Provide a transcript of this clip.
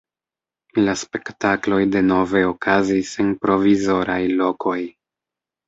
La spektakloj denove okazis en provizoraj lokoj.